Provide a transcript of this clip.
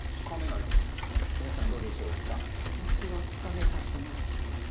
私はつかめちゃってます。